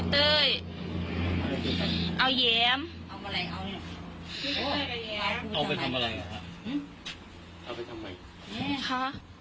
เมื่อกี้